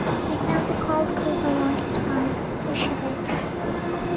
He felt the cold creep along his spine, and shivered.